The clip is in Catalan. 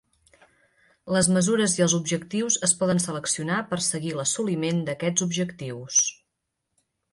Les mesures i els objectius es poden seleccionar per seguir l'assoliment d'aquests objectius.